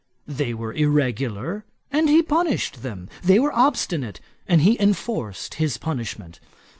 They were irregular, and he punished them: they were obstinate, and he enforced his punishment.